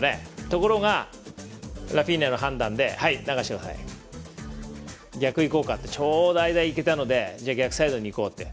ところがラフィーニャの判断で逆いこうかというちょうど、間にいけたので逆サイドにいこうって。